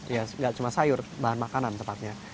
ya nggak cuma sayur bahan makanan tepatnya